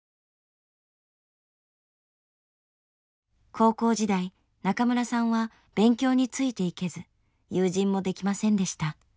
高校時代中村さんは勉強についていけず友人もできませんでした。